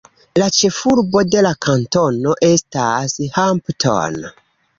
La ĉefurbo de la kantono estas Hampton.